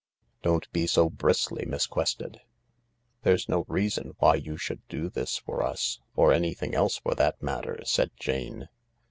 Don't be so bristly, Miss Quested." "There's no reason why you should do this for us, or anything else for that matter," said Jane.